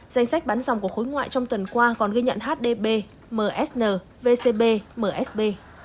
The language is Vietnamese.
danh sách bắn dòng của khối ngoại trong tuần qua còn ghi nhận hdb msn vcb msb